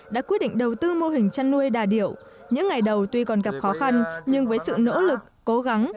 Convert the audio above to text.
đã quyết định đầu tư mô hình chăn nuôi đà điểu những ngày đầu tuy còn gặp khó khăn nhưng với sự nỗ lực cố gắng